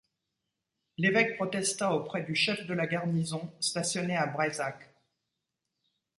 L'Evêque protesta auprès du chef de la garnison stationnée à Breisach.